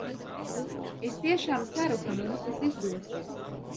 Es tiešām ceru, ka mums tas izdosies.